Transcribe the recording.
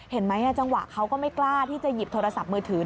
เห็นไหมจังหวะเขาก็ไม่กล้าที่จะหยิบโทรศัพท์มือถือ